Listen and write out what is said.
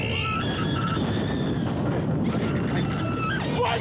怖い。